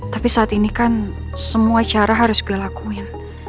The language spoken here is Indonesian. tapi saat ini kan semua cara harus gue lakuin